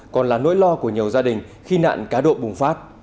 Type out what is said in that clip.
còn là nỗi lo của nhiều gia đình khi nạn cá độ bùng phát